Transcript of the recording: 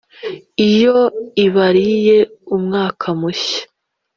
iyo ibariye umwaka mushya